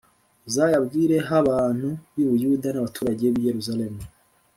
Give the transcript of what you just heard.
Uzayabwire h abantu b i buyuda n abaturage b i yerusalemu